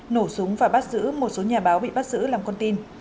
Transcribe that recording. nổ súng và bắt giữ một số nhà báo bị bắt giữ làm con tin